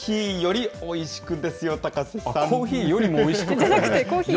コーヒー、よりおいしくですよ。